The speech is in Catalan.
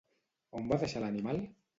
On va deixar l'animal?